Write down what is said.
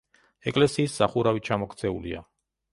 ეკლესიის სახურავი ჩამოქცეულია.